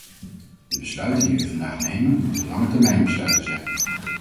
De besluiten die we vandaag nemen, moeten langetermijnbesluiten zijn.